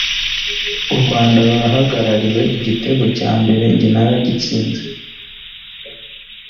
u Rwanda rurahagarariwe igitego cya mbere njye naragitsinze